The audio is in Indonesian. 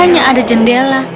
dan hanya ada jendela rumah